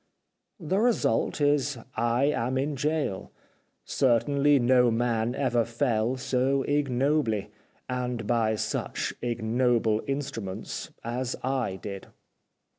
The result is I am in gaol. Certainly no man ever fell so ignobly, and by such ignoble instruments, as I did."